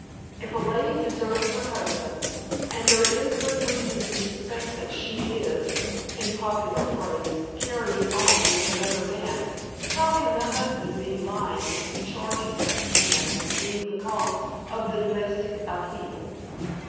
"If a lady deserts her husband, and there is good reason to suspect that she is, in popular phrase, 'carrying on' with another man, how can the husband be lying if he charges that man with being the cause of the domestic upheaval?"